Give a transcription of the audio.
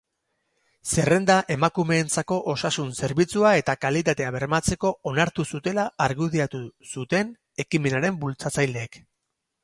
Zerrenda emakumeentzako osasun zerbitzua eta kalitatea bermatzeko onartu zutela argudiatu zuten ekimenaren bultzatzaileek.